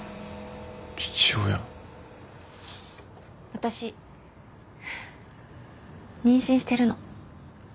私妊娠してるの。